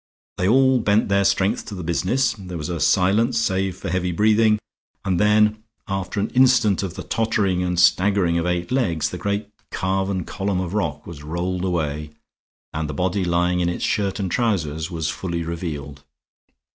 They all bent their strength to the business; there was a silence save for heavy breathing; and then, after an instant of the tottering and staggering of eight legs, the great carven column of rock was rolled away, and the body lying in its shirt and trousers was fully revealed.